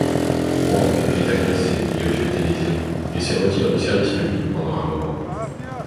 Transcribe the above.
Wang est agressé et hospitalisé et se retire du service public pendant un moment.